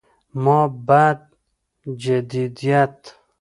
ما بعد جديديت